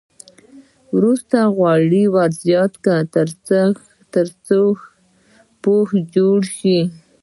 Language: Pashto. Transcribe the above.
وروسته غوړي ور زیات کړئ تر څو پوښ جوړ شي.